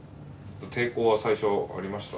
抵抗は最初ありました？